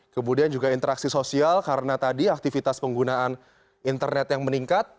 kemudian juga interaksi sosial karena tadi aktivitas penggunaan internet yang meningkat